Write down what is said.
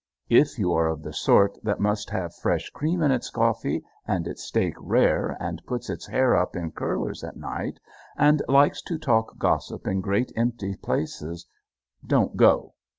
If you are of the sort that must have fresh cream in its coffee, and its steak rare, and puts its hair up in curlers at night, and likes to talk gossip in great empty places, don't go.